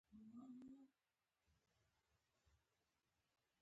که انجوګانې رښتیا هم د خپل تعریف له مخې خپل کارونه پرمخ یوسي.